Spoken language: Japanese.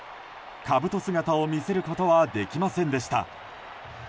かぶと姿を見せることはできませんでした。